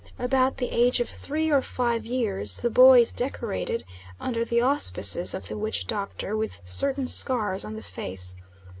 About the age of three or five years the boy is decorated, under the auspices of the witch doctor, with certain scars on the face.